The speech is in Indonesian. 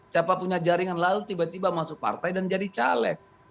siapa punya jaringan lalu tiba tiba masuk partai dan jadi caleg